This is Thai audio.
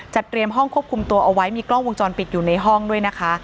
เตรียมห้องควบคุมตัวเอาไว้มีกล้องวงจรปิดอยู่ในห้องด้วยนะคะ